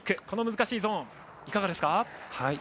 この難しいゾーンいかがですか？